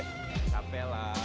enggak capek lah